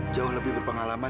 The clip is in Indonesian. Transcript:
jauh lebih berpengalaman